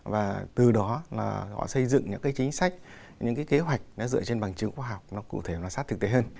và từ đó họ xây dựng những chính sách những kế hoạch dựa trên bằng chứng khoa học cụ thể và sát thực tế hơn